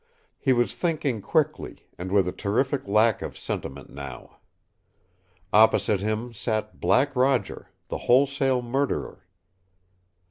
He was thinking quickly, and with a terrific lack of sentiment now. Opposite him sat Black Roger, the wholesale murderer.